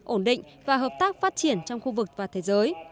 ổn định và hợp tác phát triển trong khu vực và thế giới